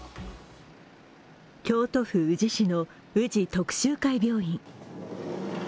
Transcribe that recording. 京都府宇治市の宇治徳洲会病院。